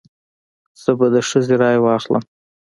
زه به د ښځې رای واخلم.